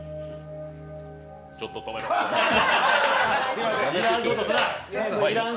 ちょっと止めます。